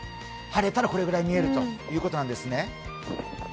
晴れたらこれくらい見えるということなんですね。